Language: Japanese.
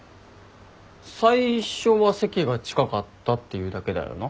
最初は席が近かったっていうだけだよな。